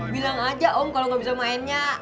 bilang aja om kalau nggak bisa mainnya